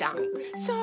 そう。